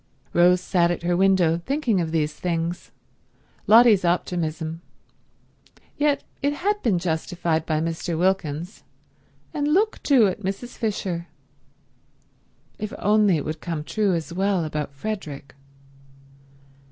Rose sat at her window thinking of these things. Lotty's optimism ... yet it had been justified by Mr. Wilkins; and look, too, at Mrs. Fisher. If only it would come true as well about Frederick!